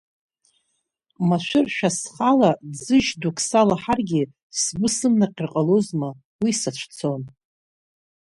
Машәыршәа, схала, ӡыжь дук салаҳаргьы, сгәы сымнаҟьар ҟалозма, уи сацәцон.